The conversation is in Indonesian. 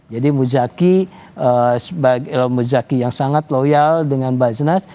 jadi mujaki yang sangat loyal dengan baznas